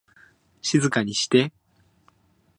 静かにして